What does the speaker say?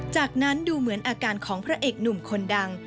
จากนั้นดูเหมือนอาการของพระเอกหนุ่มคนดัง